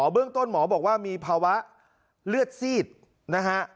เรื่องต้นหมอบอกว่ามีภาวะเลือดซีดนะฮะ